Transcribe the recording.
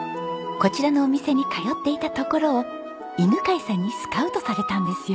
こちらのお店に通っていたところを犬飼さんにスカウトされたんですよ。